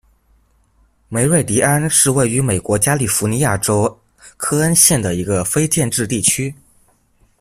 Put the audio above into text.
梅瑞迪安是位于美国加利福尼亚州克恩县的一个非建制地区。